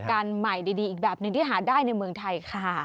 การใหม่ดีอีกแบบหนึ่งที่หาได้ในเมืองไทยค่ะ